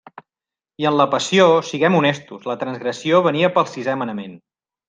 I en la passió, siguem honestos, la transgressió venia pel sisé manament.